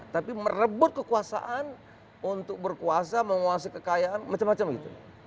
tapi merebut kekuasaan untuk berkuasa menguasai kekayaan macam macam gitu